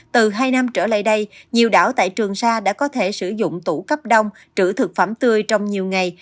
từ hai năm trở lại đây nhiều đảo tại trường sa đã có thể sử dụng tủ cấp đông trữ thực phẩm tươi trong nhiều ngày